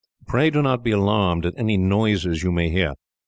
Pray do not be alarmed at any noises you may hear.